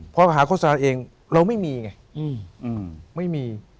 พอหาโฆษณาเองเราไม่มีไงไม่มี